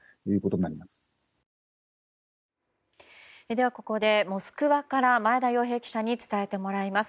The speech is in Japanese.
では、ここでモスクワから前田洋平記者に伝えてもらいます。